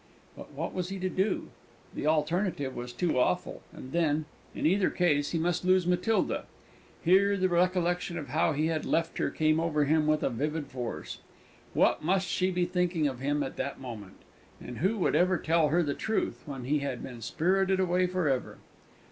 But what was he to do? The alternative was too awful; and then, in either case, he must lose Matilda. Here the recollection of how he had left her came over him with a vivid force. What must she be thinking of him at that moment? And who would ever tell her the truth, when he had been spirited away for ever?